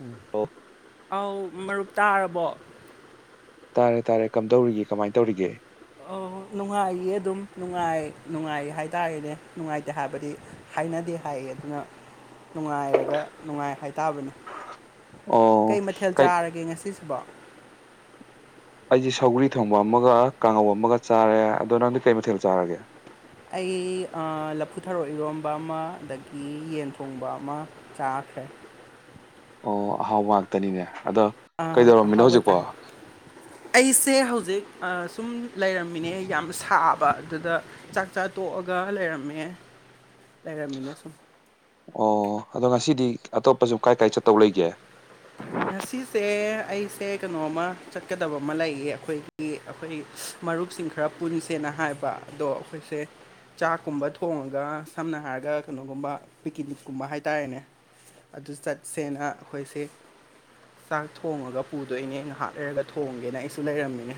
ꯎꯝ ꯑꯣ ꯑꯧ ꯃꯔꯨꯞ ꯇꯥꯔꯕꯣ ꯇꯥꯔꯦ ꯇꯥꯔꯦ ꯀꯝꯗꯧꯔꯤꯒꯦ ꯀꯃꯥꯏꯅ ꯇꯧꯔꯤꯒꯦ ꯑꯣ ꯅꯨꯡꯉꯥꯏꯔꯤꯌꯦ ꯑꯗꯨꯝ ꯅꯨꯡꯉꯥꯏ ꯅꯨꯡꯉꯥꯏ ꯍꯥꯏꯇꯥꯔꯦꯅꯦ ꯅꯨꯡꯉꯥꯏꯇꯦ ꯍꯥꯏꯕꯗꯤ ꯍꯥꯏꯅꯗꯦ ꯍꯥꯏ ꯑꯗꯨꯅ ꯅꯨꯡꯉꯥꯏꯔꯒ ꯅꯨꯡꯉꯥꯏ ꯍꯥꯏꯇꯥꯕꯅꯤ ꯀꯩ ꯃꯊꯦꯜ ꯆꯥꯔꯒꯦ ꯉꯁꯤꯁꯤꯕꯣ ꯑꯩꯁꯦ ꯁꯧꯒ꯭ꯔꯤ ꯊꯣꯡꯕ ꯑꯃꯒ ꯀꯥꯡꯉꯧ ꯑꯃꯒ ꯆꯥꯔꯦ ꯑꯗꯣ ꯅꯪꯗꯤ ꯀꯩ ꯃꯊꯦꯜ ꯆꯥꯔꯒꯦ ꯑꯩ ꯑ ꯂꯐꯨꯊꯔꯣ ꯏꯔꯣꯝꯕ ꯑꯃ ꯑꯗꯒꯤ ꯌꯦꯟ ꯊꯣꯡꯕ ꯑꯃ ꯆꯥꯈꯔꯦ ꯑꯣ ꯑꯍꯥꯎꯕ ꯉꯥꯛꯇꯅꯤꯅꯦ ꯑꯗꯣ ꯑꯥ ꯀꯩꯗꯧꯔꯝꯃꯤꯅꯣ ꯑꯍꯥꯎꯕ ꯍꯧꯖꯤꯛꯄꯣ ꯆꯥꯏ ꯑꯣ ꯑꯩꯁꯦ ꯍꯧꯖꯤꯛ ꯑ ꯁꯨꯝ ꯂꯩꯔꯝꯃꯤꯅꯦ ꯌꯥꯝ ꯁꯥꯕ ꯑꯗꯨꯗ ꯆꯥꯛ ꯆꯥ ꯇꯣꯛꯑꯒ ꯂꯩꯔꯝꯃꯦ ꯂꯩꯔꯝꯃꯤꯅꯦ ꯁꯨꯝ ꯑꯣ ꯑꯗꯣ ꯉꯁꯤꯗꯤ ꯑꯇꯣꯞꯄ ꯁꯨ ꯀꯥꯏ- ꯀꯥꯏ ꯆꯠꯇꯧ ꯂꯩꯒꯦ ꯉꯁꯤꯁꯦ ꯑꯩꯁꯦ ꯀꯩꯅꯣꯝꯃ ꯆꯠꯀꯗꯕ ꯑꯃ ꯂꯩꯌꯦ ꯑꯩꯈꯣꯏꯒꯤ ꯑꯩꯈꯣꯏ ꯃꯔꯨꯞꯁꯤꯡ ꯈꯔ ꯄꯨꯟꯁꯦꯅ ꯍꯥꯏꯕ ꯑꯗꯣ ꯑꯩꯈꯣꯏꯁꯦ ꯆꯥꯛꯀꯨꯝꯕ ꯊꯣꯡꯉꯒ ꯁꯝꯅ ꯍꯥꯏꯔꯒ ꯀꯩꯅꯣꯒꯨꯝꯕ ꯄꯤꯛꯅꯤꯛꯀꯨꯝꯕ ꯍꯥꯏꯇꯥꯔꯦꯅꯦ ꯑꯗꯨ ꯆꯠꯁꯦꯅ ꯑꯩꯈꯣꯏꯁꯦ ꯆꯥꯛ ꯊꯣꯡꯉꯒ ꯄꯨꯗꯣꯛꯏꯅꯦꯩꯅ ꯍꯥꯠ ꯂꯩꯔꯒ ꯊꯣꯡꯒꯦꯅ ꯑꯩꯁꯨ ꯂꯩꯔꯝꯃꯤꯅꯦ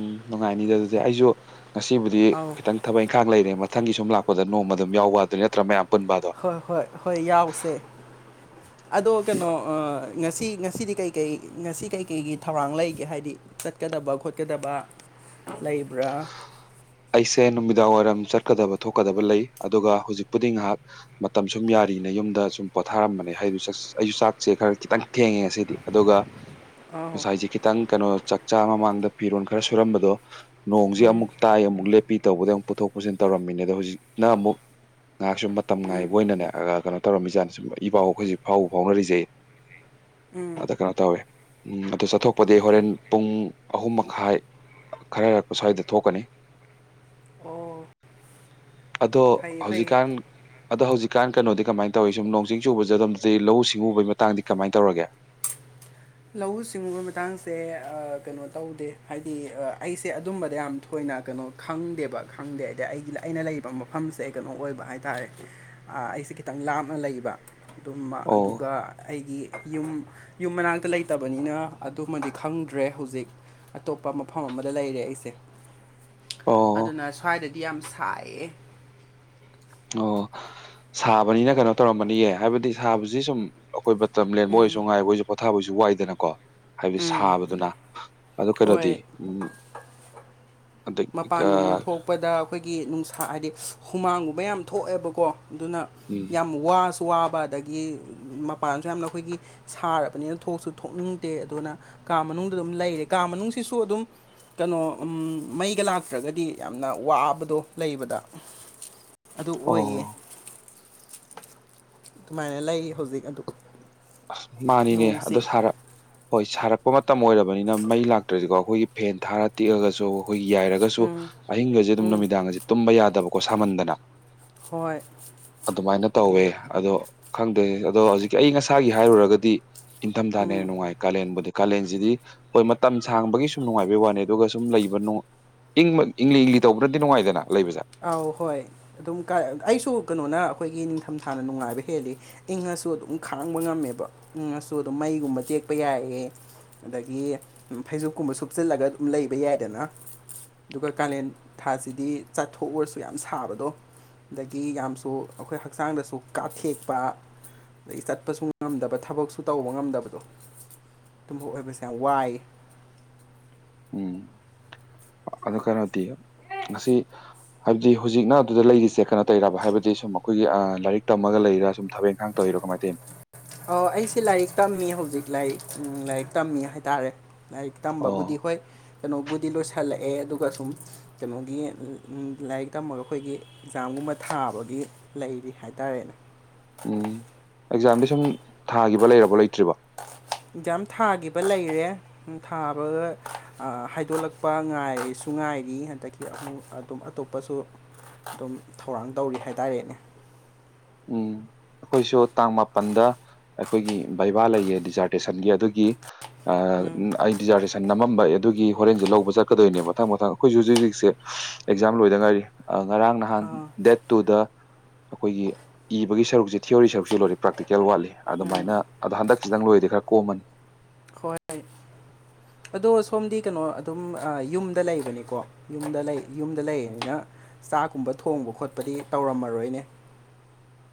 ꯎꯝ ꯅꯨꯡꯉꯥꯏꯅꯤꯗꯦ ꯑꯗꯨꯗꯤ ꯑꯩꯁꯨ ꯉꯁꯤꯕꯨꯗꯤ ꯑꯧ ꯈꯤꯇꯪ ꯊꯕꯛ ꯏꯪꯈꯥꯡ ꯂꯩꯔꯦ ꯃꯊꯪꯒꯤ ꯁꯨꯝ ꯂꯥꯛꯄꯗ ꯅꯣꯡꯃ ꯑꯗꯨꯝ ꯌꯥꯎꯕ ꯑꯗꯨꯅꯤ ꯅꯠꯇ꯭ꯔꯥ ꯃꯌꯥꯝ ꯄꯨꯟꯕ ꯑꯗꯣ ꯍꯣꯏ ꯍꯣꯏ ꯍꯣꯏ ꯌꯥꯎꯁꯦ ꯑꯗꯣ ꯀꯩꯅꯣ ꯉꯁꯤ ꯉꯁꯤꯗꯤ ꯀꯩꯀꯩ ꯉꯁꯤ ꯀꯩꯀꯩꯒꯤ ꯊꯧꯔꯥꯡ ꯂꯩꯒꯦ ꯍꯥꯏꯗꯤ ꯆꯠꯀꯗꯕ ꯈꯣꯠꯀꯗꯕ ꯂꯩꯕ꯭ꯔꯥ ꯑꯩꯁꯦ ꯅꯨꯃꯤꯗꯥꯡ ꯋꯥꯏꯔꯝ ꯆꯠꯀꯗꯕ ꯊꯣꯛꯀꯗꯕ ꯂꯩ ꯑꯗꯨꯒ ꯍꯧꯖꯤꯛꯄꯨꯗꯤ ꯉꯥꯏꯍꯥꯛ ꯃꯇꯝ ꯁꯨꯝ ꯌꯥꯔꯤꯅꯦ ꯌꯨꯝꯗ ꯁꯨꯝ ꯄꯣꯊꯥꯔꯝꯕꯅꯦ ꯍꯥꯏ ꯑꯩꯁꯨ ꯆꯥꯛꯁꯦ ꯈꯔ ꯈꯤꯇꯪ ꯊꯦꯡꯉꯦ ꯑꯁꯤꯗꯤ ꯑꯗꯨꯒ ꯑꯧ ꯉꯁꯥꯏꯁꯦ ꯈꯤꯇꯪ ꯀꯩꯅꯣ ꯆ ꯆꯥ ꯃꯃꯥꯡꯗ ꯐꯤꯔꯣꯜ ꯈꯔ ꯁꯨꯔꯝꯕꯗꯣ ꯅꯣꯡꯁꯦ ꯑꯃꯨꯛ ꯇꯥꯏ ꯑꯃꯨꯛ ꯂꯦꯞꯄꯤ ꯇꯧꯕꯗ ꯑꯃꯨꯛ ꯄꯨꯊꯣꯛ ꯄꯨꯁꯤꯟ ꯇꯧꯔꯝꯃꯤꯅꯦ ꯑꯗꯣ ꯍꯧꯖꯤꯛꯅ ꯑꯃꯨꯛ ꯉꯥꯏꯍꯥꯛꯁꯨ ꯃꯥꯇꯝ ꯉꯥꯏꯕ ꯑꯣꯏꯅꯅꯦ ꯀꯩꯅꯣ ꯇꯧꯔꯝꯃꯤꯖꯥꯠꯅꯤ ꯁꯨꯝ ꯏ ꯄꯥꯎ ꯑꯩꯈꯣꯏꯁ ꯐꯥꯎ ꯐꯥꯎꯅꯔꯤꯖꯩ ꯑꯗ ꯀꯩꯅꯣ ꯇꯧꯋꯦ ꯎꯝ ꯑꯗꯨ ꯆꯠꯊꯣꯛꯄꯗꯤ ꯑꯣꯀꯦ ꯍꯣꯔꯦꯟ ꯄꯨꯡ ꯑꯍꯨꯝ ꯃꯈꯥꯏ ꯈꯔꯔꯛꯄ ꯁ꯭ꯋꯥꯏꯗ ꯊꯣꯛꯀꯅꯤ ꯑꯣ ꯑꯗꯣ ꯐꯩꯌꯦ ꯐꯩꯌꯦ ꯍꯧꯖꯤꯛꯀꯥꯟ ꯑꯗꯣ ꯍꯧꯖꯤꯛꯀꯥꯟ ꯀꯩꯅꯣꯗꯤ ꯀꯃꯥꯏꯅ ꯇꯧꯋꯏ ꯁꯨꯝ ꯅꯣꯡ ꯆꯤꯡ ꯆꯨꯕ ꯖꯗꯝꯗꯗꯤ ꯂꯧꯎ ꯁꯤꯡꯎꯕꯒꯤ ꯃꯇꯥꯡꯗꯤ ꯀꯃꯥꯏꯅ ꯇꯧꯔꯒꯦ [unintelligible] ꯂꯧꯎ ꯁꯤꯡꯎꯕ ꯃꯇꯥꯡꯁꯦ ꯀꯩꯅꯣ ꯇꯧꯗꯦ ꯍꯥꯏꯗꯤ ꯑꯩꯁꯦ ꯑꯗꯨꯝꯕꯗ ꯌꯥꯝ ꯑꯩꯈꯣꯏꯅ ꯀꯩꯅꯣ ꯈꯪꯗꯦꯕ ꯈꯪꯗꯦ ꯍꯥꯏꯗꯤ ꯑꯩꯒꯤ ꯑꯩꯅ ꯂꯩꯔꯤꯕ ꯃꯐꯝꯁꯦ ꯀꯩꯅꯣ ꯑꯣꯏꯕ ꯍꯥꯏꯇꯥꯔꯦ ꯑꯥ ꯑꯩꯁꯦ ꯈꯤꯇꯪ ꯂꯥꯞꯅꯥ ꯂꯩꯕ ꯑꯗꯨꯝ ꯑꯣ ꯑꯗꯨꯒꯥ ꯑꯩꯒꯤ ꯌꯨꯝ ꯌꯨꯝ ꯃꯅꯥꯛꯇꯥ ꯂꯩꯇꯕꯅꯤ ꯅ ꯑꯗꯨꯃꯗꯤ ꯈꯪꯗ꯭ꯔꯦ ꯍꯧꯖꯤꯛ ꯑꯇꯣꯞꯄ ꯃꯐꯝ ꯑꯃꯗꯥ ꯂꯩꯔꯦ ꯑꯩꯁꯦ ꯑꯣ ꯑꯗꯨꯅ ꯁ꯭ꯋꯥꯏꯗꯗꯤ ꯌꯥꯝꯅ ꯁꯥꯏꯌꯦ ꯑꯣꯑꫭ ꯁꯥꯕꯅꯤꯅ ꯀꯩꯅꯣ ꯇꯧꯔꯝꯃꯅꯤꯌꯦ ꯍꯥꯏꯕꯗꯤ ꯁꯥꯕꯁꯤ ꯁꯨꯝ ꯑꯩꯈꯣꯏ ꯃꯇꯝ ꯂꯦꯟ ꯑꫭꯏꯁꯨ ꯉꯥꯏꯈꯣꯏꯁꯨ ꯄꯣꯊꯥꯕꯁꯨ ꯋꯥꯏꯗꯅꯀꯣ ꯍꯥꯏꯕꯗꯤ ꯁꯥꯕꯗꯨꯅ ꯑꯗꯨ ꯀꯩꯅꫭꯗꯤ ꯍꯣꯏ ꯎꯝ ꯑꯗꯩ ꯃꯄꯥꯟꯒꯨꯝꯕ ꯊꯣꯛꯄꯥꯗ ꯑꯩꯈꯣꯏꯒꯤ ꯅꯨꯡꯁꯥ ꯍꯥꯏꯗꯤ ꯍꯨꯃꯥꯡꯒꯨꯝꯕ ꯌꯥꯝ ꯊꯣꯛꯑꯦꯕꯀꯣ ꯑꯗꯨꯅꯥ ꯎꯝ ꯌꯥꯝꯝ ꯋꯥꯁꯨ ꯋꯥꯕ ꯑꯗꯥꯒꯤ ꯃꯄꯥꯟꯁꯨ ꯌꯥꯝꯅ ꯑꯩꯈꯣꯏꯒꯤ ꯁꯥꯔꯕꯥꯅꯤꯅ ꯊꯣꯛꯁꯨ ꯊꯣꯛꯅꯤꯡꯗꯦ ꯑꯗꯨꯅ ꯀꯥ ꯃꯅꯨꯡꯗꯥ ꯑꯗꯨꯝ ꯂꯩꯔꯦ ꯀꯥ ꯃꯅꯨꯡꯁꯤꯁꯨ ꯑꯗꯨꯝ ꯀꯩꯅꯣ ꯎꯝ ꯃꯩꯒꯥ ꯂꯥꯛꯇ꯭ꯔꯒꯗꯤ ꯌꯥꯝꯅ ꯋꯥꯕꯗꯣ ꯂꯩꯕꯥꯗ ꯑꯗꯨ ꯑꯣ ꯑꯣꯏꯌꯦ ꯑꯗꯨꯃꯥꯏꯅ ꯂꯩ ꯍꯧꯖꯤꯛ ꯑꯗꫭ ꯑꯥꯁ ꯃꯥꯅꯤꯅꯦ ꯑꯣꯗꫭ ꯁꯥꯔꯛ ꯍꯣꯏ ꯁꯥꯔꯛꯄꯥ ꯃꯇꯝ ꯑꯣꯏꯔꯛꯄꯅꯤꯅ ꯃꯩ ꯂꯥꯛꯇ꯭ꯔꯁꯤꯀꯣ ꯑꯩꯈꯣꯏꯒꯤ ꯐꯦꯟ ꯊꯥꯔ ꯇ°ꯛꯑꯒꯁꯨ ꯑꯨꯏꯒ°ꯍꯥꯏꯔꯒꯁꯨ ꯎꯝ ꯑꯍꯤꯡꯒꯁꯦ ꯑꯗꯨꯝ ꯎꯝ ꯅꯨꯃꯤꯗꯥꯡꯁꯦ ꯇꯨꯝꯕ ꯌꯥꯗꯕꯀꯣ ꯁꯥꯃꯟꯗꯅꯥ ꯍꯣꯏ ꯑꯗꯨ ꯃꯥꯏꯅ ꯇꯧꯋꯦ ꯑꯗꯨꯃꯥꯏꯅ ꯑꯗꯨ ꯈꯪꯗ꯭ꯔꯦ ꯑꯗꯣ ꯍꯧꯖꯤꯛꯀꯤ ꯑꯏꯪ ꯑꯁꯥꯒꯤ ꯍꯥꯏꯔꯨꯔꯒꯗꯤ ꯏꯟꯊꯝꯊꯥꯅꯥ ꯍꯦꯟꯅꯥ ꯅꯨꯡꯉꯥꯏ ꯀꯥꯂꯦꯟꯕꯨꯗꯤ ꯀꯥꯂꯦꯟꯁꯤꯗꯤ ꯍꯣꯏ ꯃꯇꯝ ꯁꯥꯡꯕꯒꯤ ꯁꯨꯝ ꯅꯨꯡꯉꯥꯏꯕꯩ ꯋꯥꯅꯤ ꯑꯗꯨꯒꯥ ꯁꯨꯝ ꯂꯩꯕꯥ ꯏꯪꯅꯥ ꯏꯪꯂꯤ ꯏꯪꯂꯤ ꯇꯧꯕ꯭ꯔꯗꯤ ꯅꯨꯡꯉꯥꯏꯗꯥꯅ ꯂꯩꯕꯁꯦ ꯑꯧ ꯍꯣꯏ ꯑꯗꯨꯝ ꯑꯩꯁꯨ ꯀꯩꯅꯣꯅꫪꯥ ꯑꯩꯈꯥꯏꯒꯤ ꯅꯤꯡꯊꯝꯊꯥꯅ ꯅꯨꯡꯉꯥꯏꯕꯥ ꯍꯦꯜꯂꯤ ꯏꯪꯉꯁꯨ ꯑꯗꯨꯝ ꯈꯥꯡꯕ ꯉꯝꯃꯦꯕ ꯏꯪꯉꯁꯨ ꯑꯗꯨꯝ ꯃꯩꯒꯨꯝꯕ ꯇꯦꯛꯄꯥ ꯌꯥꯏꯌꯦ ꯑꯗꯥꯒꯤ ꯐꯩꯖꯨꯞꯀꯨꯝꯕꯥ ꯁꯨꯞꯆꯤꯜꯂꯒꯥ ꯑꯗꯨꯝ ꯂꯩꯕꯥ ꯌꯥꯏꯗꯅꯥ ꯑꯗꯨꯒ ꯀꯥꯂꯦꯟ ꯊꯥꯁꯤꯗꯤ ꯆꯠꯊꯣꯛ ꯑꯥꯁꯨ ꯌꯥꯝ ꯁꯥꯕꯗꯣ ꯑꯗꯨꯗꯒꯤ ꯌꯥꯝꯁꯨ ꯑꯩꯈꯣꯏ ꯍꯛꯆꯥꯡꯗꯁꯨ ꯀꯥꯞꯊꯦꯛꯄꯥ ꯑꯗꯒꯤ ꯆꯠꯄꯁꯨ ꯉꯝꯗꯕꯥ ꯊꯕꯛꯁꯨ ꯇꯧꯕꯥ ꯉꯝꯗꯕꯗꯣ ꯇꫭꯝꯕꫭꯏ ꯑꯣꯏꯕꯁꯦ ꯌꯥꯝ ꯋꯥꯏꯌ ꯑꯗꫭ ꯀꯩꯅꯣꯗꯤ ꯉꯁꯤ ꯍꯥꯏꯕꯗꯤ ꯍꯧꯖꯤꯛꯅ ꯑꯗꯨꯗ ꯂꯩꯔꯤꯁꯦ ꯀꯩꯅꯣ ꯇꯩꯔꯤꯔꯥꯕ ꯍꯥꯏꯕꯗꯤ ꯁꯨꯝ ꯑꯩꯈꯣꯏꯒꯤ ꯂꯥꯏꯔꯤꯛ ꯇꯝꯃꯒ ꯂꯩꯔꯤꯔꯥ ꯁꯨꯝ ꯊꯕꯛ ꯏꯪꯈꯥꯡ꯫ ꯇꯧꯔꯤꯔꯣ ꯀꯃꯥꯏ ꯇꯧꯔꯤꯅꫭ꯫ ꯑꯣꯑꫭ ꯑꯩꯁꯦ ꯂꯥꯏꯔꯤꯛ ꯇꯝꯃꯤ ꯍꯧꯖꯤꯛ ꯂꯥꯏꯔꯤꯛ ꯂꯥꯏꯔꯤꯛ ꯇꯝꯃꯤ ꯍꯥꯏꯇꯥꯥꯔꯦ꯫ ꯂꯥꯏꯔꯤꯛ ꯑꯣ ꯇꯝꯕꯕꯨꯗꯤ ꯍꯣꯏ ꯀꯩꯅꯣꯕꯨꯗꯤ ꯂꯣꯏꯁꯤꯜꯂꯛꯑꯦ꯫ ꯑꯗꯨꯒꯥ ꯁꯨꯝ ꯀꯩꯅꯣꯒꯤ ꯂꯥꯏꯔꯤꯛ ꯇꯝ ꯃꯒꯥ ꯑꯩꯈꯣꯏꯒꯤ꯫ ꯑꯦꯛꯖꯥꯝ ꯒꯨꯝꯕꯥ ꯊꯥꯕꯒꯤ ꯂꯩꯔꯤ ꯍꯥꯏꯇꯥꯔꯦꯅꯦ꯫ ꯎꯝ ꯑꯦꯛꯖꯥꯝꯗꯤ ꯁꯨꯝ ꯊꯥꯒꯤꯕ ꯂꯩꯔꯕꯣ ꯂꯩꯇ꯭ꯔꯤꯕꯣ? ꯑꯦꯛꯖꯥꯝ ꯊꯥꯒꯤꯕꯥ ꯂꯩꯔꯦ꯫ ꯑꯝ ꯊꯥꯕꯥ ꯑꯏ ꯍꯥꯏꯗꯣꯛꯂꯛꯄ ꯉꯥꯏꯔꯁꯨ ꯉꯥꯏꯔꯤ ꯑꯗꯒꯤ ꯑꯃꯨꯛ ꯑꯗꯨꯝ ꯑꯇꯣꯞꯄꯁꯨ ꯑꯗꯨꯝ ꯊꯧꯔꯥꯡ ꯇꯧꯔꯤ ꯍꯥꯏꯇꯥꯔꯦꯅꯦ꯫ ꯎꯝꯝ ꯑꯩꯈꯣꯏꯁꯨ ꯇꯥꯡ ꯃꯥꯄꯟꯗꯥ ꯑꯩꯈꯣꯏꯒꯤ ꯕꯩꯕꯥ ꯂꯩꯌꯦ ꯗꯤꯖꯥꯔꯇꯦꯁꯟꯒꯤ ꯑꯗꯨꯒꯤ ꯑꯥ ꯎꯝ ꯑꯩ ꯗꯤꯖꯥꯔꯇꯦꯁꯅꯟ ꯅꯝꯃꯝꯕꯩ ꯑꯗꯨꯒꯤ ꯍꯣꯔꯦꯟꯁꯨ ꯂꯧꯕ ꯆꯠꯀꯗꯣꯏꯅꯦ ꯃꯊꯪ ꯃꯊꯪ ꯑꯈꯣꯏꯁꯨ ꯍꯧꯖꯤꯛ ꯍꯧꯖꯤꯛꯁꯦ꯫ ꯑꯦꯛꯖꯥꯝ ꯂꯣꯏꯗꯥ ꯉꯏꯔꯤ ꯉꯔꯥꯡ ꯅꯍꯥꯟ ꯑꯥ ꯗꯦꯠ ꯇꯨꯗ ꯑꯩꯈꯣꯏꯒꯤ ꯏꯕꯒꯤ ꯁꯔꯨꯛꯁꯦ ꯊꯤꯑꯣꯔꯤ ꯁꯔꯨꯛꯁꯤ ꯂꯣꯏꯔꯦ ꯄ꯭ꯔꯥꯛꯇꯤꯀꯦꯜ ꯋꯥꯠꯂꯤ꯫ ꯑꯗꯨꯃꯥꯏꯅ ꯑꯗꯣ ꯍꯟꯗꯛꯁꯤꯗꯪ ꯂꯣꯏꯔꯗꯤ ꯈꯔ ꯀꯣꯝꯃꯅꯤ ꯍꯣꯏ ꯑꯗꯣ ꯁꯣꯝꯗꯤ ꯀꯩꯅꯣ ꯑꯗꯨꯝ ꯌꯨꯝꯗꯥ ꯂꯩꯕꯅꯤꯀꯣ ꯌꯨꯝꯗꯥ ꯂꯩ ꯌꯨꯝꯗꯥ ꯂꯩꯅꯤꯅ ꯆꯥꯛꯀꯨꯝꯕ ꯊꯣꯡꯕ ꯈꯣꯠꯄꯇꯤ ꯇꯧꯔꯝꯃꯔꯣꯏꯅꯦ꯫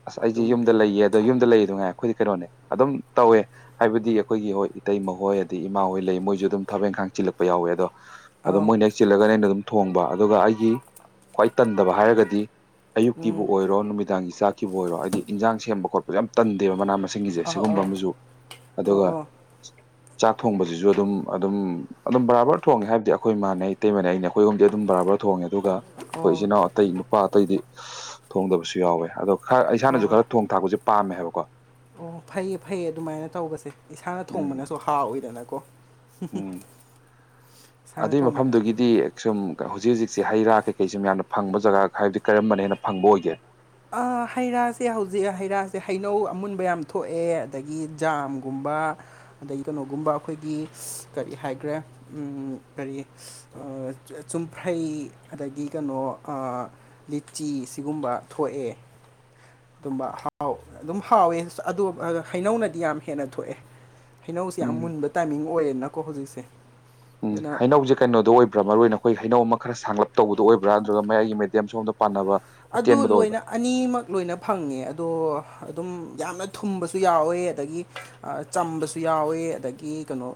ꯑꯁ ꯑꯩꯁꯦ ꯑꯗꯨꯝ ꯌꯨꯝꯗ ꯂꯩꯌꯦ ꯑꯗꯣ ꯌꯨꯝꯗꯥ ꯂꯩꯌꯦꯗꯨ ꯉꯥꯏ ꯑꯩꯈꯣꯏꯗꯤ ꯀꯩꯅꯣꯅꯦ ꯑꯗꯨꯝ ꯇꯧꯋꯦ꯫ ꯍꯥꯏꯕꯗꯤ ꯑꯩꯈꯣꯏꯒꯤ ꯍꯣꯏ ꯏꯇꯩꯃꯥꯈꯣꯏ ꯑꯗꯩ ꯏꯃꯥ ꯍꯣꯏ ꯂꯩ ꯃꯣꯏꯁꯨ ꯑꯗꯨꯝ ꯊꯕꯛ ꯏꯪꯈꯥꯡ ꯆꯤꯜꯂꯛꯄ ꯌꯥꯎꯋꯦ ꯑꯗꯣ ꯑꯗꯨꯝ ꯑꯧ ꯃꯣꯏꯅ ꯍꯦꯛ ꯆꯤꯜꯂꯒꯅ ꯑꯩꯅ ꯑꯗꯨꯝ ꯊꯣꯡꯕ꯫ ꯑꯗꯨꯒ ꯑꯩꯒꯤ ꯈ꯭ꯋꯥꯏ ꯇꯟꯗꯕꯥ ꯍꯥꯏꯔꯒꯗꯤ ꯑꯌꯨꯛꯀꯤꯕꯨ ꯎꯝ ꯑꯣꯏꯔꯣ ꯅꯨꯃꯤꯗꯥꯡꯒꯤ ꯆꯥꯛꯀꯤꯕꯨ ꯑꯣꯏꯔꯣ ꯍꯥꯏꯗꯤ ꯏꯟꯖꯥꯡ ꯁꯦꯝꯕ ꯈꯣꯠꯄꯁꯤ ꯌꯥꯝ ꯇꯟꯗꯦꯕ ꯃꯅꯥ ꯃꯁꯤꯡ꯫ ꯁꯤꯡꯒꯤꯁꯦ꯫ ꯁꯤꯒꯨꯝꯕꯥ ꯑꯧ ꯑꯃꯁꯨ ꯑꯧ ꯑꯗꯨꯒ ꯑꯣ ꯆꯥꯛ ꯊꯣꯡꯕꯁꯤꯁꯨ ꯑꯗꯨꯝ ꯑꯗꯨꯝ ꯑꯗꯨꯝ ꯕꯥꯔꯥꯕꯔ ꯊꯣꯡꯉꯦ ꯍꯥꯏꯕꯗꯤ ꯑꯩꯈꯣꯏ ꯏꯃꯥꯅꯦ ꯏꯇꯩꯃꯅꯦ ꯑꯩꯈꯣꯏ ꯑꯍꯨꯝꯗꯤ ꯑꯗꯨꯝ ꯕꯔꯥꯕꯔ ꯊꯣꯡꯉꯦ ꯑꯗꯨꯒ ꯑꯣ ꯑꯣ ꯑꯩꯈꯣꯏ ꯏꯆꯤꯟ ꯏꯅꯥꯎ ꯑꯇꯩ ꯅꯨꯄꯥ ꯑꯇꯩꯗꯤ ꯊꯣꯡꯗꯕꯁꯨ ꯌꯥꯎꯋꯦ ꯑꯗꯣ ꯈꯔ ꯏꯁꯥꯅꯁꯨ ꯑꯣ ꯈꯔ ꯊꯣꯡ ꯊꯥꯛꯄꯁꯦ ꯄꯥꯝꯃꯦ ꯍꯥꯏꯕꯀꯣ ꯑꯣ ꯐꯩꯌꯦ ꯐꯩꯌꯦ ꯑꯗꯨꯃꯥꯏꯅ ꯇꯧꯕꯁꯦ ꯏꯁꯥꯅ ꯎꯝ ꯊꯣꯡꯕꯅꯁꯨ ꯍꯥꯥꯎꯋꯏꯗꯅꯀꯣ ꯎꯝ [unintelligible] ꯑꯗꯨꯏ ꯃꯐꯝꯗꯨꯒꯤꯗꯤ ꯁꯨꯝ ꯍꯧꯖꯤꯛ ꯍꯧꯖꯤꯛꯁꯦ ꯍꯩ ꯔꯥ ꯀꯩꯀꯩ ꯁꯨꯝ ꯌꯥꯝꯅ ꯐꯪꯕ ꯖꯒꯥ ꯍꯥꯏꯕꯗꯤ ꯀꯔꯝꯕꯅ ꯍꯦꯟꯅ ꯐꯪꯕ ꯑꯣꯏꯒꯦ ꯍꯩꯔꯥꯁꯦ ꯍꯧꯖꯤꯛ ꯍꯩꯔꯥꯁꯦ ꯍꯩꯅꯧ ꯑꯃꯨꯟꯕ ꯌꯥꯝ ꯊꯣꯛꯑꯦ ꯑꯗꯒꯤ ꯖꯥꯝꯒꯨꯝꯕ ꯑꯗꯒꯤ ꯀꯩꯅꯣꯒꯨꯝꯕ ꯑꯩꯈꯣꯏꯒꯤ ꯀꯔꯤ ꯍꯥꯏꯒꯔꯦ ꯀꯔꯤ ꯆꯨꯝꯐ꯭ꯔꯩ ꯑꯗꯒꯤ ꯀꯩꯅꯣ ꯂꯤꯆꯤ ꯁꯤꯒꯨꯝꯕ ꯊꯣꯛꯑꯦ ꯑꯗꯨꯝꯕ ꯍꯥꯎ ꯑꯗꯨꯝ ꯍꯥꯎꯋꯦ ꯑꯗꯨ ꯍꯩꯅꯧꯅꯗꯤ ꯌꯥꯝ ꯍꯦꯟꯅ ꯊꯣꯛꯑꯦ ꯍꯩꯅꯧꯁꯦ ꯌꯥꯝ ꯎꯝ ꯃꯨꯟꯕ ꯇꯥꯏꯃꯤꯡ ꯑꯣꯏꯌꯦꯅꯀꯣ ꯍꯧꯖꯤꯛꯁꯦ ꯎꯝ ꯑꯗꯨꯅ ꯍꯩꯅꯧꯖꯤ ꯀꯩꯅꯣꯗꯣ ꯑꯣꯏꯕ꯭ꯔꯥ ꯃꯔꯨ ꯑꯣꯏꯅ ꯑꯩꯈꯣꯏ ꯍꯩꯅꯧ ꯑꯃ ꯈꯔ ꯁꯥꯡꯂꯞ ꯇꯧꯕꯗ ꯑꯣꯏꯕ꯭ꯔꯥ ꯑꯗꯨꯒ꯭ꯔ ꯃꯌꯥꯏꯒꯤ ꯃꯦꯗꯤꯌꯝ ꯁꯣꯝꯗ ꯄꯥꯟꯅꯕ ꯑꯗꯨ ꯑꯇꯦꯟꯕꯗ ꯑꯣꯏꯕ꯭ꯔꯥ ꯂꯣꯏꯅ ꯑꯅꯤꯃꯛ ꯂꯣꯏꯅ ꯐꯪꯉꯦ ꯑꯗꯣ ꯑꯗꯨꯝ ꯌꯥꯝꯅ ꯊꯨꯝꯕꯁꯨ ꯌꯥꯎꯋꯦ ꯑꯗꯒꯤ ꯆꯝꯕꯁꯨ ꯌꯥꯎꯋꯦ ꯑꯗꯒꯤ ꯀꯩꯅꯣ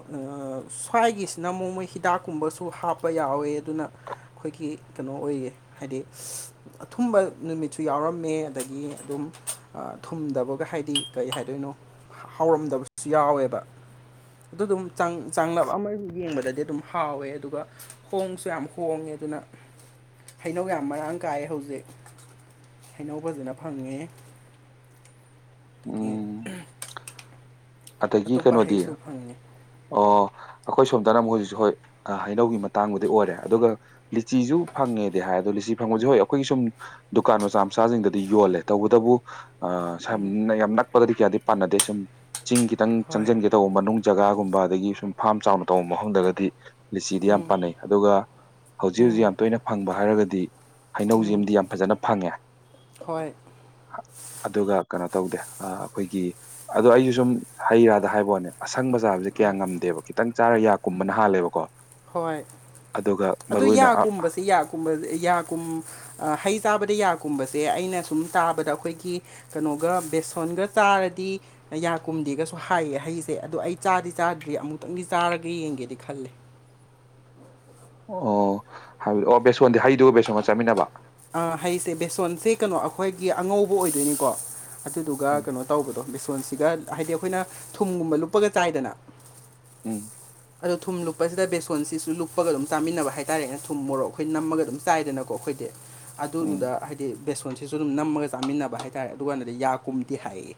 ꯁ꯭ꯋꯥꯏꯒꯤꯁꯤꯅ ꯑꯃꯨꯛ ꯃꯣꯏ ꯍꯤꯗꯥꯛꯀꯨꯝꯕꯁꯨ ꯍꯥꯞ ꯄꯌꯥꯎꯋꯦ ꯑꯗꯨꯅ ꯑꯩꯈꯣꯏꯒꯤ ꯀꯩꯅꯣ ꯑꯣꯏꯌꯦ ꯍꯥꯏꯗꯤ ꯑꯊꯨꯝꯕ ꯅꯨꯃꯤꯠꯁꯨ ꯌꯥꯎꯔꯝꯃꯦ ꯑꯗꯒꯤ ꯑꯗꯨꯝ ꯊꯨꯝꯗꯕꯒ ꯍꯥꯏꯗꯤ ꯀꯩ ꯍꯥꯏꯗꯣꯏꯅꯣ ꯍꯥꯎꯔꯝꯗꯕꯁꯨ ꯌꯥꯎꯋꯦꯕ ꯑꯗꯨ ꯑꯗꯨꯝ ꯆꯡ ꯆꯥꯡꯂꯞ ꯑꯃ ꯌꯦꯡꯕꯗꯗꯤ ꯑꯗꯨꯝ ꯍꯥꯎꯋꯦ ꯑꯗꯨꯒ ꯍꯣꯡꯁꯨ ꯌꯥꯝ ꯍꯣꯡꯉꯦ ꯑꯗꯨꯅ ꯍꯩꯅꯧ ꯌꯥꯝ ꯃꯔꯥꯡ ꯀꯥꯏ ꯍꯧꯖꯤꯛ ꯍꯩꯅꯧ ꯐꯖꯅ ꯐꯪꯉꯦ ꯀ ꯎꯝ [unintelligible] ꯑꯗꯒꯤ ꯀꯩꯅꯣꯗꯤ ꯍꯩꯁꯨ ꯐꯪꯉꯦ ꯑꯣ ꯑꯩꯈꯣꯏ ꯁꯣꯝꯗꯅꯨꯛ ꯍꯧꯖꯤꯛꯁꯨ ꯍꯣꯏ ꯍꯩꯅꯧꯒꯤ ꯃꯇꯥꯡꯕꯨꯗꯤ ꯑꯣꯏꯔꯦ ꯑꯗꯨꯒ ꯂꯤꯆꯤꯁꯨ ꯐꯪꯉꯦꯗꯤ ꯍꯥꯏ ꯑꯗꯣ ꯂꯤꯆꯤ ꯈꯪꯉꯁ ꯍꯣꯏ ꯑꯩꯈꯣꯏꯒꯤ ꯁꯨꯝ ꯗꯨꯀꯥꯟ ꯃꯆꯥ ꯃꯆꯥꯁꯤꯡꯗꯗꯤ ꯌꯣꯜꯂꯦ ꯇꯧꯕꯇꯕꯨ ꯑ ꯁꯝ ꯌꯥꯝ ꯅꯛꯄꯒꯗꯤ ꯀꯌꯥꯗꯤ ꯄꯥꯟꯅꯗꯦ ꯁꯨꯝ ꯆꯤꯡ ꯈꯤꯇꯪ ꯍꯣꯏ ꯆꯪꯁꯤꯟꯒꯦ ꯇꯧꯕ ꯃꯅꯨꯡ ꯖꯒꯥꯒꯨꯝꯕ ꯑꯗꯒꯤ ꯁꯨꯝ ꯐꯥꯝ ꯆꯥꯎꯅ ꯇꯧꯕ ꯃꯐꯝꯗꯒꯗꯤ ꯂꯤꯆꯤꯗꯤ ꯌꯥꯝ ꯄꯥꯅꯩ ꯑꯗꯨꯒ ꯍꯧꯖꯤꯛ ꯍꯧꯖꯤꯛ ꯌꯥꯝ ꯇꯣꯏꯅ ꯐꯪꯕ ꯍꯥꯏꯔꯒꯗꯤ ꯍꯩꯅꯧꯖꯤꯝꯗꯤ ꯌꯥꯝ ꯐꯖꯅ ꯐꯪꯉꯦ ꯍꯣꯏ ꯑꯗꯨꯒ ꯀꯩꯅꯣ ꯇꯧꯗꯦ ꯑꯩꯈꯣꯏꯒꯤ ꯑꯗꯣ ꯑꯩꯁꯨ ꯁꯨꯝ ꯍꯩ ꯔꯥꯗ ꯍꯥꯏꯕꯅꯦ ꯑꯁꯪꯕ ꯆꯥꯕꯁꯦ ꯀꯌꯥ ꯉꯝꯗꯦꯕ ꯈꯤꯇꯪ ꯆꯥꯔ ꯌꯥ ꯀꯨꯝꯕꯅ ꯍꯥꯜꯂꯦꯕꯀꯣ ꯍꯣꯏ ꯑꯗꯨꯒ ꯑꯗꯨ ꯃꯔꯨ ꯑꯣꯏꯅ ꯌꯥ ꯀꯨꯝꯕꯁꯦ ꯌꯥꯒꯨꯝꯕ ꯌꯥꯒꯨꯝ ꯍꯩ ꯆꯥꯕꯗ ꯌꯥꯒꯨꯝꯕꯁꯦ ꯑꯩꯅ ꯁꯨꯝꯠ ꯇꯥꯕꯗ ꯑꯩꯈꯣꯏꯒꯤ ꯀꯩꯅꯣꯒ ꯕꯦꯁꯣꯟꯒ ꯆꯥꯔꯗꯤ ꯌꯥ ꯀꯨꯝꯗꯦꯒꯁꯨ ꯍꯥꯏꯌꯦ ꯍꯩꯁꯦ ꯑꯗ ꯑꯩ ꯆꯥꯗꯤ ꯆꯥꯗ꯭ꯔꯤ ꯑꯃꯨꯛꯇꯪꯗꯤ ꯆꯥꯔꯒ ꯌꯦꯡꯒꯦꯗꯤ ꯈꯜꯂꯦ ꯑꯣ ꯍꯥꯏꯕꯗꯤ ꯑꯣ ꯕꯦꯁꯣꯟꯗꯤ ꯍꯩꯗꯨꯒ ꯕꯦꯁꯣꯟꯒ ꯆꯠꯃꯤꯟꯅꯕ ꯍꯥꯏꯁꯦ ꯕꯦꯁꯣꯟꯁꯦ ꯀꯩꯅꯣ ꯑꯩꯈꯣꯏꯒꯤ ꯑꯉꯧꯕ ꯑꯣꯏꯗꯣꯏꯅꯤꯀꯣ ꯑꯗꯨꯗꯨꯒ ꯎꯝ ꯀꯩꯅꯣ ꯇꯧꯕꯗꯣ ꯕꯦꯁꯣꯟꯁꯤꯒ ꯍꯥꯏꯗꯤ ꯑꯩꯈꯣꯏꯅ ꯊꯨꯝꯒꯨꯝꯕ ꯂꯨꯞꯄꯒ ꯆꯥꯏꯗꯅ ꯎꯝ ꯑꯗꯨ ꯊꯨꯝ ꯂꯨꯞꯄꯁꯤꯗ ꯕꯦꯁꯣꯟꯁꯤꯁꯨ ꯂꯨꯞꯄꯒ ꯑꯗꯨꯝ ꯆꯥꯃꯤꯟꯅꯕ ꯍꯥꯏꯇꯥꯥꯔꯦꯅꯦ ꯊꯨꯝ ꯃꯣꯔꯣꯛ ꯑꯩꯈꯣꯏ ꯅꯝꯃꯒ ꯑꯗꯨꯝ ꯆꯥꯏꯗꯅꯀꯣ ꯑꯩꯈꯣꯏꯗꯤ ꯎꯝ ꯑꯗꯨꯗꯨꯗ ꯍꯥꯏꯗꯤ ꯍꯥꯏꯗꯤ ꯕꯦꯁꯣꯟꯁꯤꯁꯨ ꯑꯗꯨꯝ ꯅꯝꯃꯒ ꯆꯥꯃꯤꯟꯅꯕ ꯍꯥꯏꯇꯥꯔꯦ ꯑꯗꯨ ꯀꯥꯟꯗꯗꯤ ꯌꯥ ꯀꯨꯝꯗꯤ ꯍꯥꯏꯌꯦ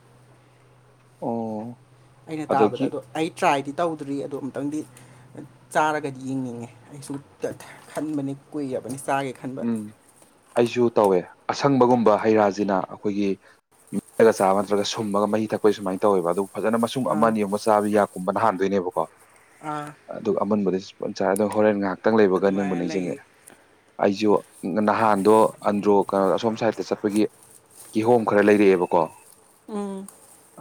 ꯑꯣ ꯑꯩꯅ ꯇꯥꯕꯗ ꯑꯗꯒꯤ ꯑꯗꯣ ꯑꯩ ꯇ꯭ꯔꯥꯏꯗꯤ ꯇꯧꯗ꯭ꯔꯤ ꯑꯗ ꯑꯃꯨꯛꯇꯪꯗꯤ ꯆꯥꯔꯒꯗꯤ ꯌꯦꯡꯅꯤꯡꯉꯦ ꯑꯩꯁꯨ ꯈꯟꯕꯅꯤ ꯀꯨꯏꯕꯅꯤ ꯆꯥꯒꯦ ꯈꯟꯕ ꯎꯝ ꯑꯩꯁꯨ ꯇꯧꯋꯦ ꯑꯁꯪꯕꯒꯨꯝꯕ ꯍꯩ ꯔꯥꯖꯤꯅ ꯑꯩꯈꯣꯏꯒꯤ ꯃꯒ ꯆꯥꯕ ꯅꯠꯇ꯭ꯔꯒ ꯁꯨꯝꯃꯒ ꯃꯍꯤ ꯊꯛꯄꯩꯒꯤ ꯁꯨꯃꯥꯏꯅ ꯇꯧꯋꯦꯕ ꯑꯗꯨ ꯐꯖꯅ ꯃꯁꯨꯡ ꯑꯃ ꯑꯥ ꯌꯦꯡ ꯆꯥꯕꯤ ꯌꯥ ꯀꯨꯝꯕꯅ ꯍꯍꯥꯟꯗꯣꯏꯅꯦꯕꯀꯣ ꯑꯥ ꯑꯗꯨꯒ ꯑꯃꯨꯟꯕꯒ ꯆꯥꯔꯦ ꯑꯗꯨ ꯍꯣꯔꯦꯟ ꯉꯥꯏꯍꯥꯛꯇꯪ ꯂꯩꯕꯒ ꯅꯤꯡꯕꯨ ꯑꯗꯨꯃꯥꯏꯅ ꯅꯤꯡꯁꯤꯡꯉꯦ ꯂꯩ ꯑꯩꯁꯨ ꯅꯍꯥꯟꯗꯣ ꯑꯟꯗ꯭ꯔꯣꯒ ꯀꯩꯅꯣ ꯑꯁꯣꯝ ꯁꯥꯏꯗꯠꯇ ꯆꯠꯄꯒꯤ ꯀꯤꯍꯣꯝ ꯈꯔ ꯂꯩꯔꯛꯑꯦꯕꯀꯣ ꯎꯝ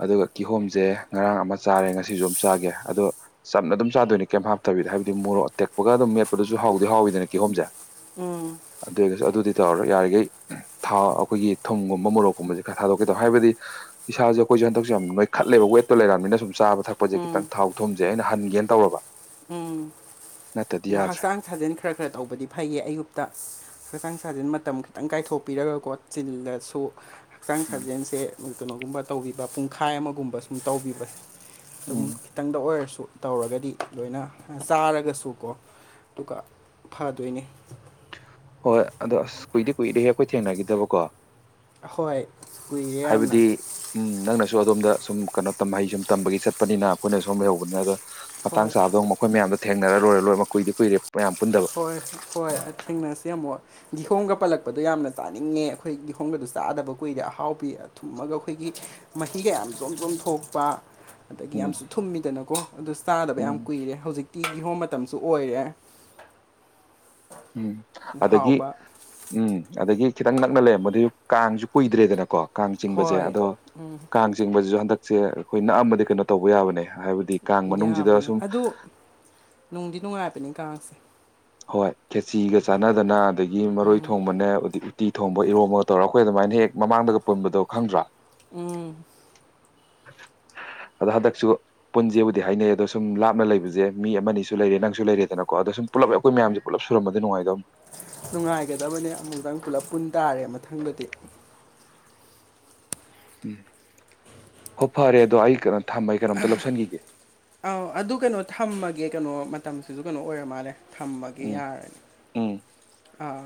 ꯑꯗꯨꯒ ꯀꯤꯍꯣꯝꯁꯦ ꯉꯔꯥꯡ ꯑꯃ ꯆꯥꯔꯦ ꯉꯁꯤꯁꯨ ꯑꯃ ꯆꯥꯒꯦ ꯑꯗꯣ ꯆꯝꯅ ꯑꯗꯨꯝ ꯆꯥꯗꯣꯏꯅꯤ ꯀꯩꯝ ꯍꯥꯞꯇꯕꯤꯗ ꯍꯥꯏꯕꯗꯤ ꯃꯣꯔꯣꯛ ꯇꯦꯛꯄꯒ ꯑꯗꯨꯝ ꯃꯦꯠꯄꯗꯨꯁꯨ ꯍꯥꯎꯗꯤ ꯍꯥꯎꯋꯗꯅ ꯀꯤꯍꯣꯝꯁꯦ ꯎꯝ ꯑꯗꯨ ꯑꯣꯏꯔꯒꯁꯨ ꯑꯗꯨꯗꯤ ꯇꯧꯔꯔꯣ ꯌꯥꯔꯤꯈꯩ ꯊꯥꯎ ꯑꯩꯈꯣꯏꯒꯤ ꯊꯨꯝꯒꯨꯝꯕ ꯃꯣꯔꯣꯛꯀꯨꯝꯕꯁꯦ ꯈꯔ ꯊꯥꯗꯣꯛꯀꯦ ꯇ ꯍꯥꯏꯕꯗꯤ ꯏꯁꯥꯁꯦ ꯑꯩꯈꯣꯏꯁꯨ ꯍꯟꯛꯁꯨꯦ ꯌꯥꯝ ꯅꯣꯏꯈꯠꯂꯦꯕ ꯋꯦꯠꯇꯣ ꯂꯩꯔꯕꯃꯤꯅ ꯁꯨꯝ ꯆꯥꯕ ꯊꯛꯄ ꯍꯧꯖꯤꯛ ꯎꯝ ꯈꯤꯇꯪ ꯊꯥꯎ ꯊꯨꯝꯁꯦ ꯑꯩꯅ ꯍꯟꯒꯦꯅ ꯇꯧꯔꯕ ꯎꯝ ꯅꯠꯇꯗꯤ ꯑꯗꯣ ꯌꯥꯗ꯭ꯔꯦ ꯍꯛꯆꯥꯡ ꯁꯥꯖꯦꯟ ꯈꯔ ꯈꯔ ꯇꯧꯕꯗꯤ ꯐꯩꯌꯦ ꯑꯌꯨꯛꯇ ꯍꯛꯆꯥꯡ ꯁꯥꯖꯦꯟ ꯃꯇꯝ ꯈꯤꯇꯪ ꯀꯥꯏꯊꯣꯛꯄꯤꯔꯒꯀꯣ ꯆꯤꯜꯂꯁꯨ ꯍꯛꯆꯥꯡ ꯎꯝ ꯁꯥꯖꯦꯜꯁꯦ ꯀꯩꯅꯣꯒꯨꯝꯕ ꯇꯧꯕꯤꯕ ꯄꯨꯡꯈꯥꯏ ꯑꯃꯒꯨꯝꯕ ꯁꯨꯝ ꯇꯧꯕꯤꯕ ꯑꯗꯨꯝ ꯎꯝ ꯈꯤꯇꯪꯗ ꯑꯣꯏꯔꯁꯨ ꯇꯧꯔꯒꯗꯤ ꯂꯣꯏꯅ ꯆꯥꯔꯒꯁꯨꯀꯣ ꯑꯗꯨꯒ ꯐꯗꯣꯏꯅꯤ ꯍꯣꯏ ꯑꯗꯣ ꯑꯁ ꯀꯨꯏꯗꯤ ꯀꯨꯏꯗꯦ ꯍꯦ ꯑꯩꯈꯣꯏ ꯊꯦꯡꯅꯈꯤꯗꯕꯀꯣ ꯑꯍꯣꯏ ꯀꯨꯏꯌꯦ ꯌꯥꯝꯅ ꯍꯥꯏꯕꯗꯤ ꯎꯝ ꯅꯪꯅꯁꯨ ꯑꯗꯣꯝꯗ ꯁꯨꯝ ꯀꯩꯅꯣ ꯇꯝꯍꯩ ꯁꯨꯝ ꯇꯝꯕꯒꯤ ꯆꯠꯄꯅꯤꯅ ꯑꯩꯈꯣꯏꯅ ꯁꯨꯝ ꯍꯩꯍꯧꯕꯅꯤ ꯑꯗ ꯃꯇꯥꯡ ꯍꯣꯏ ꯆꯥꯕꯗꯣ ꯃꯈꯣꯏ ꯃꯌꯥꯝꯗꯣ ꯊꯦꯡꯅꯔ ꯂꯣꯏꯔꯣꯏꯔ ꯀꯨꯏꯗꯤ ꯀꯨꯏꯔꯦ ꯃꯌꯥꯝ ꯄꯨꯟꯗꯕ ꯍꯣꯏ ꯍꯣꯏ ꯊꯦꯡꯅꯁꯤ ꯑꯃꯨꯛ ꯀꯤꯍꯣꯡꯒ ꯄꯜꯂꯛꯄꯗꯣ ꯌꯥꯝꯅ ꯆꯥꯅꯤꯡꯉꯦ ꯑꯩꯈꯣꯏ ꯀꯤꯍꯣꯡꯒꯗꯨ ꯆꯥꯗꯕ ꯀꯨꯏꯔꯦ ꯑꯍꯥꯎ ꯄꯤ ꯊꯨꯝꯃꯒ ꯑꯩꯈꯣꯏꯒꯤ ꯃꯍꯤ ꯀꯌꯥ ꯆꯣꯝ ꯆꯣꯝꯊꯣꯛꯄ ꯑꯗꯒꯤ ꯎꯝ ꯌꯥꯝꯁꯨ ꯊꯨꯝꯃꯤꯗꯅꯀꯣ ꯑꯗꯨ ꯆꯥꯗꯕ ꯎꯝ ꯌꯥꯝ ꯀꯨꯏꯔꯦ ꯍꯧꯖꯤꯛꯇꯤ ꯏꯍꯣꯝ ꯃꯇꯝꯁꯨ ꯑꯣꯏꯔꯦ ꯎꯝ ꯑꯗꯒꯤ ꯍꯥꯎꯕ ꯎꯝ ꯑꯗꯒꯤ ꯈꯤꯇꯪ ꯅꯛꯅ ꯂꯩꯔꯝꯕꯗꯩ ꯀꯥꯡꯁꯨ ꯀꯨꯏꯗ꯭ꯔꯦꯗꯅꯀꯣ ꯀꯥꯡ ꯆꯤꯡꯕꯁꯦ ꯍꯣꯏ ꯑꯗꯣ ꯀꯥꯡ ꯆꯤꯡꯕꯁꯤꯁꯨ ꯍꯟꯗꯛꯁꯦ ꯑꯩꯈꯣꯏ ꯅꯛꯑꯝꯃꯗꯤ ꯀꯩꯅꯣ ꯇꯧꯕ ꯌꯥꯕꯅꯦ ꯍꯥꯏꯕꯗꯤ ꯀꯥꯡ ꯃꯅꯨꯡꯁꯤꯗ ꯌꯥꯕꯅꯦ ꯁꯨꯝ ꯑꯗꯨ ꯅꯨꯡꯗꯤ ꯅꯨꯡꯉꯥꯏꯕꯅꯤ ꯀꯥꯡꯁꯦ ꯍꯣꯏ ꯈꯦꯆꯤꯒ ꯆꯥꯟꯅꯗꯅ ꯑꯗꯒꯤ ꯃꯔꯣꯏ ꯎꯝ ꯊꯣꯡꯕꯅꯦ ꯎꯇꯤ ꯎꯇꯤ ꯊꯣꯡꯕ ꯏꯔꯣꯝꯕꯒ ꯇꯧꯔꯒ ꯑꯩꯈꯣꯏ ꯑꯗꯨꯃꯥꯏꯅ ꯍꯦꯛ ꯃꯃꯥꯡꯗꯒ ꯄꯨꯟꯕꯗꯣ ꯈꯪꯗ꯭ꯔ‌ꯣ ꯎꯝ ꯑꯗ‌ꯣ ꯍꯟꯗꯛꯁꯨ ꯄꯨꯟꯖꯦꯕꯨꯗꯤ ꯍꯥꯏꯅꯩ ꯑꯗꯣ ꯁꯨꯝ ꯂꯥꯞꯅ ꯂꯩꯕꯁꯦ ꯃꯤ ꯑꯃ ꯑꯅꯤꯁꯨ ꯂꯩꯔꯦ ꯅꯪꯁꯨ ꯂꯩꯔꯦꯗꯅꯀꯣ ꯑꯗꯣ ꯁꯨꯝ ꯄꯨꯂꯞ ꯑꯩꯈꯣꯏ ꯃꯌꯥꯝꯁꯦ ꯄꯨꯂꯞ ꯁꯨꯔꯝꯃꯗꯤ ꯅꯨꯉꯥꯏꯗꯧꯅꯦ ꯅꯨꯡꯉꯥꯏꯒꯗꯕꯅꯦ ꯑꯃꯨꯛꯇꯪ ꯄꯨꯂꯞ ꯄꯨꯟ ꯇꯥꯔꯦ ꯃꯊꯪꯗꯗꯤ ꯎꯝ ꯍꯣ ꯐꯔꯦ ꯑꯗꯣ ꯑꯩ ꯀꯩꯅꯣ ꯊꯝꯃꯒ‌ꯦ ꯑꯩ ꯀꯩꯅꯣꯝꯇ ꯂꯧꯁꯤꯟꯈꯤꯒꯦ ꯑꯧ ꯑꯗꯨ ꯀꯩꯅꯣ ꯊꯝꯃꯒꯦ ꯀꯩꯅꯣ ꯃꯇꯝꯁꯤꯁꯨ ꯀꯩꯅꯣ ꯑꯣꯏꯔ ꯃꯥꯜꯂꯦ ꯊꯝꯃꯒꯦ ꯎꯝ ꯌꯥꯔꯅꯤ ꯎꯝ ꯑꯥ